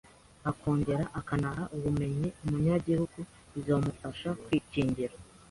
akongera akanaha ubumenyi umunyagihugu buzomufasha kwikingira